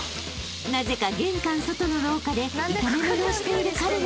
なぜか玄関外の廊下で炒め物をしている彼が］